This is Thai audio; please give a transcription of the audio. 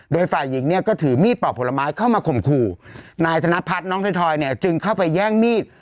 โดยฝ่ายหญิงเนี่ยก็ถือมีดปอกผลไม้เข้ามาข่มขู่นายธนพัฒน์น้องถอยเนี่ยจึงเข้าไปแย่งมีด